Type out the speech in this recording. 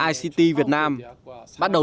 ict việt nam bắt đầu